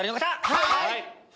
はい！